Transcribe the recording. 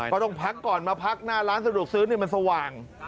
ก็ต้องพักก่อนมาพักหน้าร้านสะดวกซื้อมันสว่าง